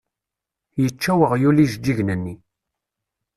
Yečča weɣyul ijeǧǧigen-nni.